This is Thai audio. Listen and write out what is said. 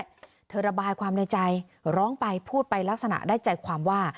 เธอระบายความในใจร้องไปพูดไปลักษณะได้ใจความว่า